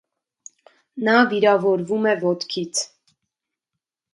Նա վիրավորվում է ոտքից։